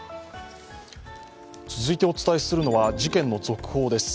続いてお伝えするのは事件の続報です。